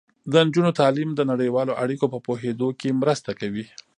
د نجونو تعلیم د نړیوالو اړیکو په پوهیدو کې مرسته کوي.